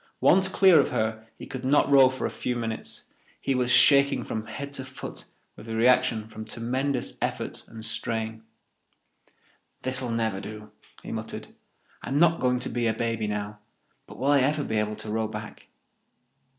Once clear of her he could not row for a few minutes; he was shaking from head to foot with the reaction from tremendous effort and strain. "This'll never do," he muttered. "I'm not going to be a baby now. But will I ever be able to row back?"